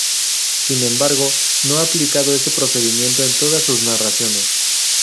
Sin embargo, no ha aplicado este procedimiento en todas sus narraciones.